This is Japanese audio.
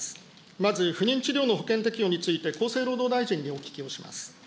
まず、不妊治療の保険適用について、厚生労働大臣にお聞きをします。